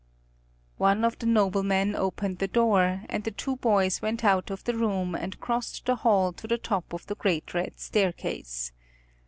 One of the noblemen opened the door, and the two boys went out of the room and crossed the hall to the top of the great Red Staircase.